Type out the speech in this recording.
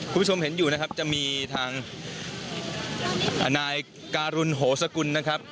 คุณผู้ชมเห็นอยู่นะครับจะมีทางนายการุณโหสกุลนะครับ